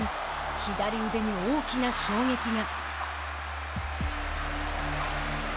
左腕に大きな衝撃が。